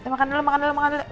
makan dulu makan dulu makan dulu